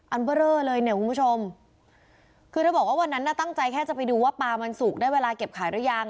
เบอร์เรอเลยเนี่ยคุณผู้ชมคือเธอบอกว่าวันนั้นน่ะตั้งใจแค่จะไปดูว่าปลามันสุกได้เวลาเก็บขายหรือยัง